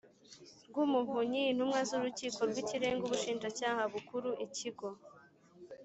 rw Umuvunyi intumwa z Urukiko rw Ikirenga Ubushinjacyaha Bukuru Ikigo